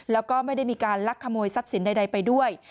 แล้วก็ไม่ได้มีการลักขโมยทรัพย์สินใดไปด้วย